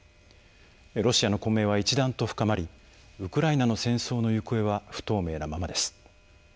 ロシアの混迷は一段と深まりウクライナの戦争の行方は不透明なままです。